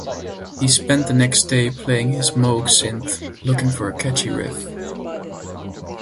He spent the next day playing his Moog synth looking for a catchy riff.